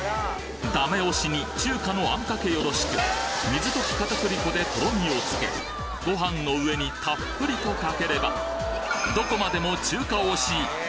ダメ押しに中華の餡かけよろしく水溶き片栗粉でとろみをつけご飯の上にたっぷりとかければどこまでも中華推し！